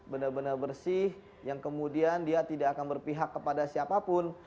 benar benar bersih yang kemudian dia tidak akan berpihak kepada siapapun